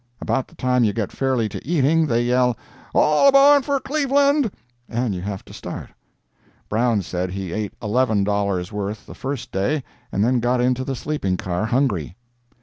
About the time you get fairly to eating, they yell, "All aboard for Cleveland!" and you have to start. Brown said he ate eleven dollars' worth the first day and then got into the sleeping car hungry.